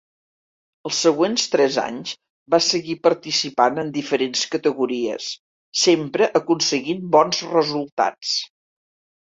Els següents tres anys va seguir participant en diferents categories, sempre aconseguint bons resultats.